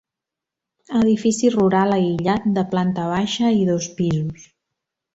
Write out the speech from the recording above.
Edifici rural aïllat de planta baixa i dos pisos.